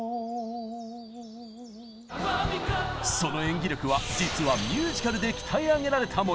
その演技力は実はミュージカルで鍛え上げられたもの！